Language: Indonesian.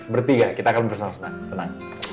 bertiga kita akan bersama senang tenang